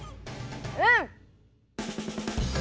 うん！